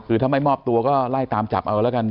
คือถ้าไม่มอบตัวก็ไล่ตามจับเอาแล้วกัน